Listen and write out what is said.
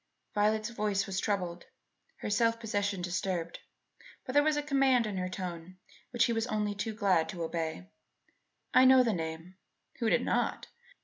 Violet's voice was troubled, her self possession disturbed; but there was a command in her tone which he was only too glad to obey. "I know the name" (who did not!)